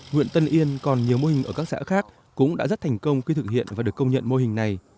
huyện tân yên còn nhiều mô hình ở các xã khác cũng đã rất thành công khi thực hiện và được công nhận mô hình này